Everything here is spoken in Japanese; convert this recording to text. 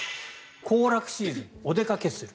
行楽シーズン、お出かけする。